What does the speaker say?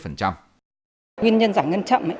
nguyên nhân giải ngân chậm